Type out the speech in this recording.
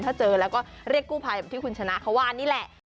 ถ้าเจอแล้วก็เรียกกู้ภัยแบบที่คุณชนะเขาว่านี่แหละ